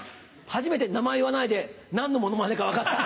初めて名前言わないで何のモノマネか分かった。